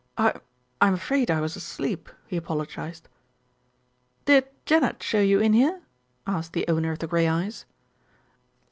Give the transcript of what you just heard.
"I'm I'm afraid I was asleep," he apologised. "Did Janet show you in here?" asked the owner of the grey eyes.